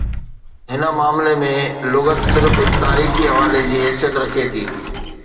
هن معاملي ۾، لغت صرف هڪ تاريخي حوالي جي حيثيت رکي ٿو.